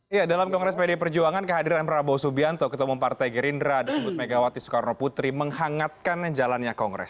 ya dalam kongres pdi perjuangan kehadiran prabowo subianto ketemu partai gerindra disebut megawati soekarno putri menghangatkan jalannya kongres